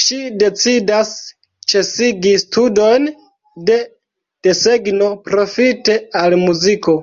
Ŝi decidas ĉesigi studojn de desegno profite al muziko.